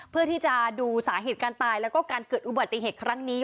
เพื่อที่จะดูสาเหตุการตายแล้วก็การเกิดอุบัติเหตุครั้งนี้